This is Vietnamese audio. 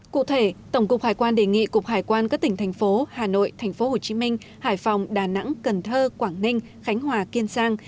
cụ thể tổng cục hải quan đề nghị cục hải quan các tỉnh thành phố hà nội thành phố hồ chí minh hải phòng đà nẵng cần thơ quảng ninh khánh hòa kiên sang